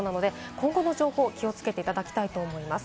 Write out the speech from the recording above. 今後の情報に気をつけていただきたいと思います。